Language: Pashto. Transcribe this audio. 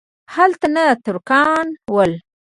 هلته نه ترکان ول.